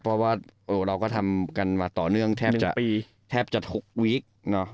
เพราะว่าเราก็ทำกันมาต่อเนื่องแทบจะ๖วีค